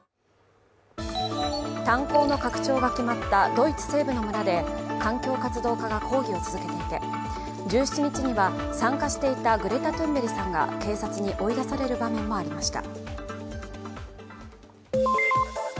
炭鉱の拡張が決まったドイツ西部の村で環境活動家が抗議を続けていて、１７日には参加していたグレタ・トゥンベリさんが警察に追い出される場面もありました。